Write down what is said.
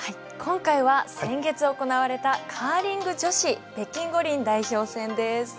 今回は先月行われたカーリング女子北京五輪代表戦です。